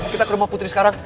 kita ke rumah putri sekarang